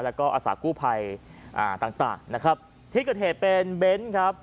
แล้วก็อาสากู้ภัยอ่าต่างต่างนะครับที่เกิดเหตุเป็นเบนท์ครับ